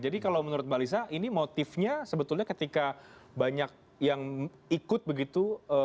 jadi kalau menurut mbak lisa ini motifnya sebetulnya ketika banyak yang ikut begitu